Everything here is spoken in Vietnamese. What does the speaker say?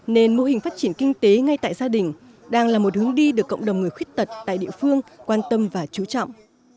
nên mô hình phát triển kinh tế ngay tại gia đình đang là một hướng đi được cộng đồng người khuyết tật tại địa phương quan tâm và chú trọng